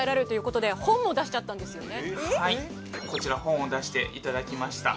はいこちら本を出していただきました